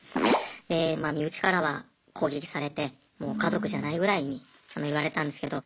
で身内からは攻撃されてもう家族じゃないぐらいに言われたんですけど。